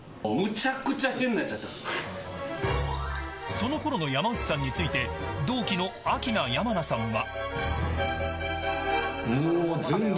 そのころの山内さんについて同期のアキナ山名さんは。